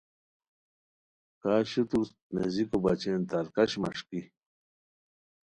کا شوتور نیزیکو بچین تار کش مݰکی